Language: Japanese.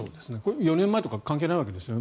４年前とか関係ないですよね